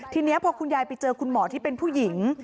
ทีนี้พอคุณยายไปเจอคุณหมอที่เป็นผู้หญิง